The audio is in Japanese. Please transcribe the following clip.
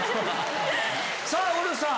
さぁウルフさん